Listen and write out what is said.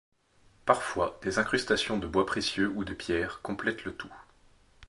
Parfois, des incrustations de bois précieux ou de pierre complètent le tout.